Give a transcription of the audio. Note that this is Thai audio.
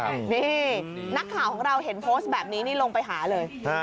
นี่นักข่าวของเราเห็นโพสต์แบบนี้นี่ลงไปหาเลย